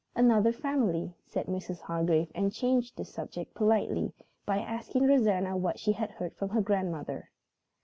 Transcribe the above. "Another family," said Mrs. Hargrave and changed the subject politely by asking Rosanna what she had heard from her grandmother.